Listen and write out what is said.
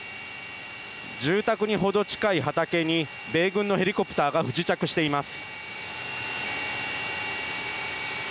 住宅にほど近い畑に米軍のヘリコプターが不時着しています。